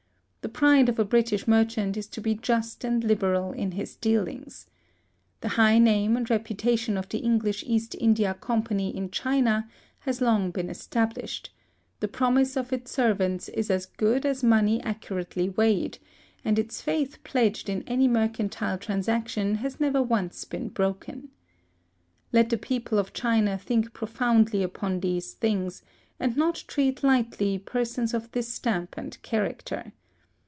The pride of a British merchant is to be just and liberal in his dealings. The high name and reputation of the English East India Company in China has long been established; the promise of its servants is as good as money accurately weighed, and its faith pledged in any mercantile transaction has never once been broken. Let the people of China think profoundly upon these things, and not treat lightly persons of this stamp and character.